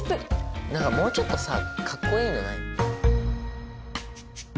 何かもうちょっとさかっこいいのないの？